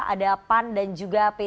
ada pan dan juga p tiga